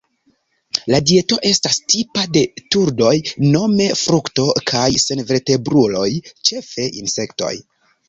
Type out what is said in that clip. La dieto estas tipa de turdoj: nome frukto kaj senvertebruloj, ĉefe insektoj.